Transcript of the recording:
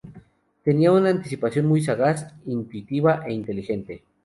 Tenía una anticipación muy sagaz, intuitiva e inteligente.